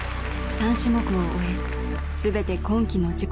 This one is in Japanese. ３種目を終え全て今季の自己